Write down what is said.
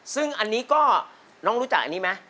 ซึ่งอันนี้ก็น้องรู้จักอันนี้ไหม